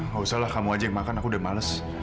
gak usah lah kamu aja yang makan aku udah males